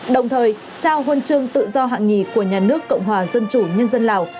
đồng thời trao huân chương tự do hạng nhì của nhà nước cộng hòa dân chủ nhân dân lào